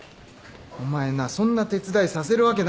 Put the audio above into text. お前なそんな手伝いさせるわけないだろ。